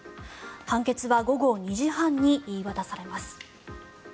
判決は午後２時半に言い渡されます。